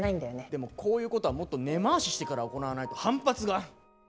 でもこういうことはもっと根回ししてから行わないと反発が。